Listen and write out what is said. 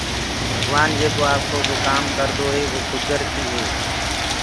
ڀگوآن آپو ڪو ڪآم جيڪو ڪردو هي وو ڪُدرتيٚ هي۔